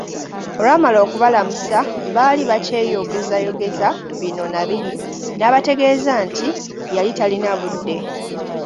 Olwamala okubalamusa, baali bakyeyogezayogeza bino na biri n'abategeeza nti yali talina budde.